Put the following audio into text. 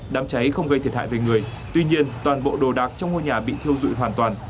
đám cháy không gây thiệt hại về người tuy nhiên toàn bộ đồ đạc trong ngôi nhà bị thiêu dụi hoàn toàn